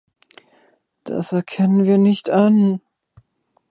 Das erkennen wir nicht an.